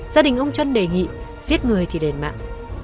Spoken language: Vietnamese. gia đình ông chân đề nghị giết người thì đền mạng